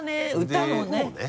歌の方ね。